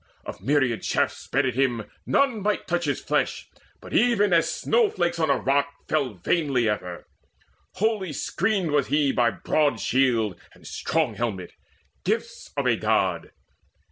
Of myriad shafts sped at him none might touch His flesh, but even as snowflakes on a rock Fell vainly ever: wholly screened was he By broad shield and strong helmet, gifts of a God.